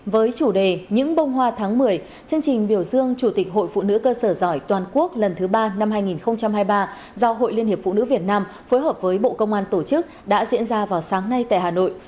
với chủ đề những bông hoa tháng một mươi chương trình biểu dương chủ tịch hội phụ nữ cơ sở giỏi toàn quốc lần thứ ba năm hai nghìn hai mươi ba do hội liên hiệp phụ nữ việt nam phối hợp với bộ công an tổ chức đã diễn ra vào sáng nay tại hà nội